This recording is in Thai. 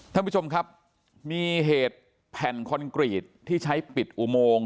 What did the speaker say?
ท่านผู้ชมครับมีเหตุแผ่นคอนกรีตที่ใช้ปิดอุโมง